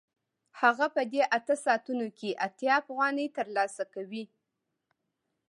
هغه په دې اته ساعتونو کې اتیا افغانۍ ترلاسه کوي